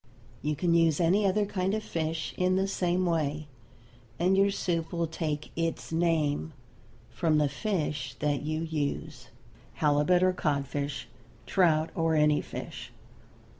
You can use any other kind of fish in the same way, and your soup will take its name from the fish that you use. Halibut or codfish, trout or any fish.